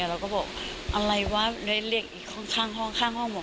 เราก็บอกอะไรวะได้เรียกอีกข้างห้องข้างห้องบอก